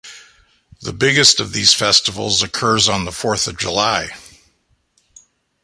The biggest of these festivals occurs on the Fourth of July.